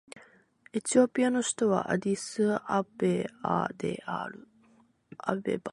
エチオピアの首都はアディスアベバである